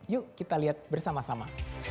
yuk kita lihat bersama sama